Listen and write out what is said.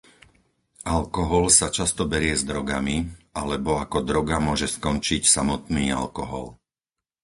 Alkohol sa často berie s drogami, alebo ako droga môže skončiť samotný alkohol.